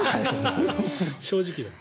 正直だ。